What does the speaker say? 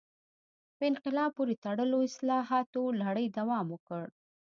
په انقلاب پورې تړلو اصلاحاتو لړۍ دوام وکړ.